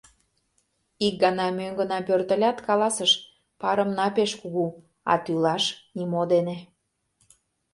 Ик гана мӧҥгына пӧртылят, каласыш: парымна пеш кугу, а тӱлаш нимо дене.